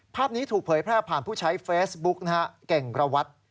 ภาพนี้ถูกเผยภาพผ่านผู้ใช้เฟสบุ๊คเก่งระวัตร